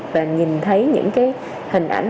và nhìn thấy những hình ảnh